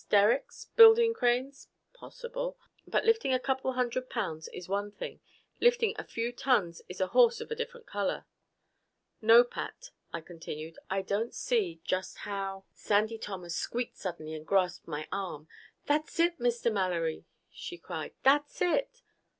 Derricks? Building cranes? Possible. But lifting a couple hundred pounds is one thing. Lifting a few tons is a horse of a different color. "No, Pat," I continued, "I don't see just how " Sandy Thomas squeaked suddenly and grasped my arm. "That's it, Mr. Mallory!" she cried. "That's it!"